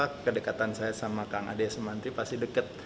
makanya kenapa kedekatan saya sama kang ade sementri pasti deket